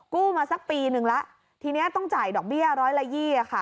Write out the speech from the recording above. กู้มาสักปีหนึ่งแล้วทีนี้ต้องจ่ายดอกเบี้ยร้อยละยี่ค่ะ